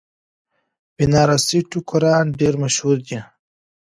بنارسي ټوکران ډیر مشهور دي.